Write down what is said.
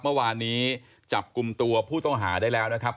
เมื่อวานนี้จับกลุ่มตัวผู้ต้องหาได้แล้วนะครับ